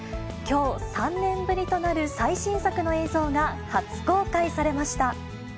きょう、３年ぶりとなる最新作の映像が初公開されました。